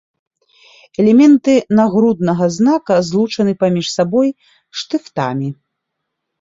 Элементы нагруднага знака злучаны паміж сабой штыфтамі.